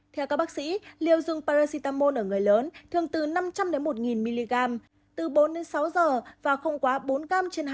theo các bác sĩ liều dùng paracetamol ở người lớn thường từ năm trăm linh một nghìn mg từ bốn sáu h và không quá bốn g trên hai mươi bốn h